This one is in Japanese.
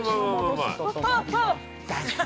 ◆大丈夫。